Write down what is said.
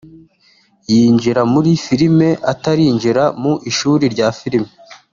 yinjira muri filime atarinjira mu ishuri rya Filime